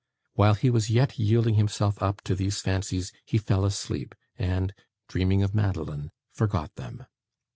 While he was yet yielding himself up to these fancies he fell asleep, and, dreaming of Madeline, forgot them.